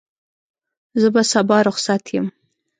زه به سبا رخصت یم.